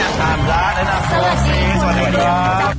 ท่านร้านนะครับสวัสดีครับสวัสดีครับ